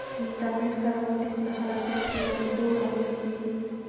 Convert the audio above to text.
د انټرنیټ کارول د خلاقیت د لوړېدو لامل کیږي.